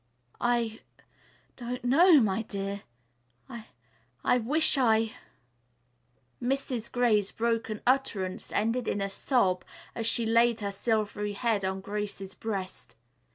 "I don't know my dear. I wish I " Mrs. Gray's broken utterance ended in a sob, as she laid her silvery head on Grace's breast.